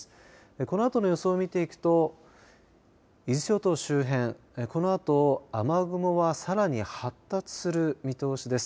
このあとの予想見ていくと伊豆諸島周辺このあと雨雲はさらに発達する見通しです。